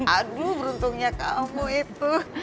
aduh beruntungnya kamu itu